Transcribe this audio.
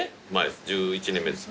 １１年目です。